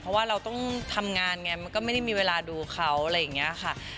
เพราะว่าเราต้องทำงานไงมันก็ไม่ได้มีเวลาดูเขาอะไรอย่างนี้ค่ะ